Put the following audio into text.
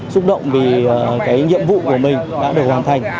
xúc động vì cái nhiệm vụ của mình đã được hoàn thành